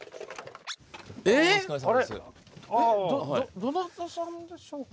どどなた様でしょうか？